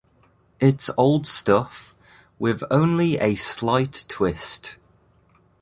It's old stuff, with only a slight twist.